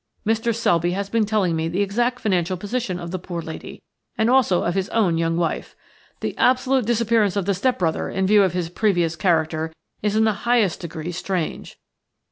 Mr. Selby has been telling me the exact financial position of the poor lady, and also of his own young wife. The absolute disappearance of the step brother, in view of his previous character, is in the highest degree strange.